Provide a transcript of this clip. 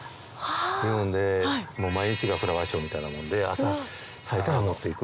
なので毎日がフラワーショーみたいなもんで朝咲いたら持って行く。